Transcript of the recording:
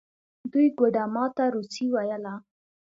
دوی ګوډه ما ته روسي ویله.